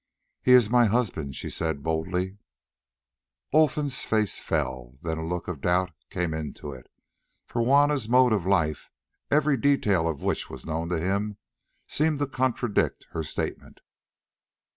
"He is my husband," she said boldly. Olfan's face fell; then a look of doubt came into it, for Juanna's mode of life, every detail of which was known to him, seemed to contradict her statement.